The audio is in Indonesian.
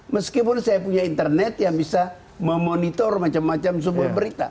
meskipun saya punya internet yang bisa memonitor macam macam sumber berita